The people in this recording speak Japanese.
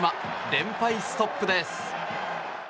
連敗ストップです。